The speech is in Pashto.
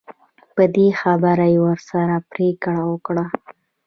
په دې خبره یې ورسره پرېکړه وکړه.